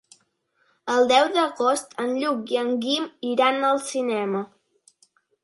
El deu d'agost en Lluc i en Guim iran al cinema.